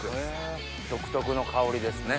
独特の香りですね。